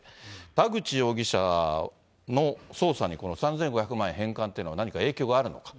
田口容疑者の捜査にこの３５００万円返還っていうのは何か影響があるのか。